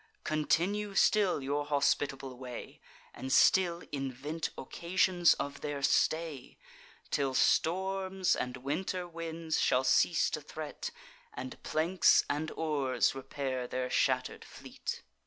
Continue still your hospitable way, And still invent occasions of their stay, Till storms and winter winds shall cease to threat, And planks and oars repair their shatter'd fleet."